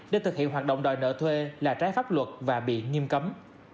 để thực hiện hoạt động đòi nợ thuê là trái pháp luật và bị nghiêm cấm